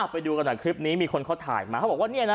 ไปดูขนาดคลิปนี้มีคนเค้าถ่ายมาเค้าบอกว่า